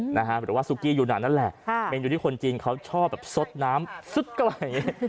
หรือว่าสุกี้ยูนานนั่นแหละอยู่ที่คนจีนเขาชอบสดน้ำสุดกล่าวอย่างนี้